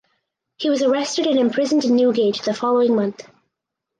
He was arrested and imprisoned in Newgate the following month.